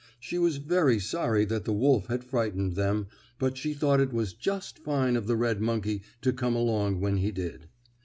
She was very sorry that the wolf had frightened them, but she thought it was just fine of the red monkey to come along when he did.